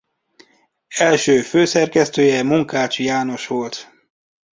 Első főszerkesztője Munkácsy János volt.